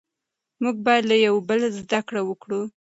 موږ بايد له يوه بل زده کړه وکړو.